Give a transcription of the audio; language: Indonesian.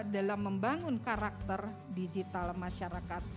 dalam membangun karakter digital masyarakat